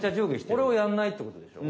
これをやんないってことでしょ。